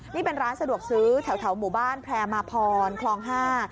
นี่เป็นร้านสะดวกซื้อแถวแถวหมู่บ้านแพร่มาพรคลองห้า